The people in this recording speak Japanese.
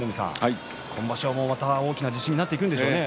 今場所は大きな自信になっていくんでしょうね。